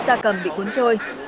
gia cầm bị cuốn trôi